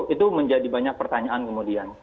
itu menjadi banyak pertanyaan kemudian